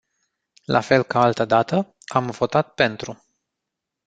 La fel ca altădată, am votat pentru.